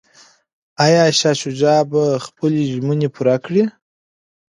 ایا شاه شجاع به خپلي ژمني پوره کړي؟